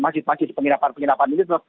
masjid masjid penginapan penginapan itu